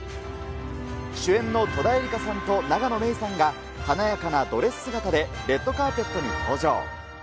主演の戸田恵梨香さんと永野芽郁さんが、華やかなドレス姿で、レッドカーペットに登場。